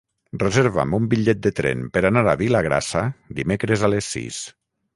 Reserva'm un bitllet de tren per anar a Vilagrassa dimecres a les sis.